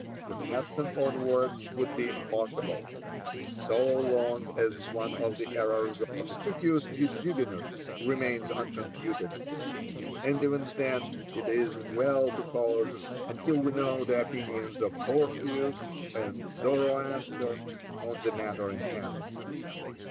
To hasten onwards would be impossible, so long as one of the errors of Steuchius Eugubinus remains unconfuted; and even then it is well to pause until we know the opinions of Orpheus and Zoroaster on the matter in hand.